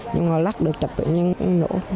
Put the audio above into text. nhưng mà lắc được chạy tự nhiên nó nổ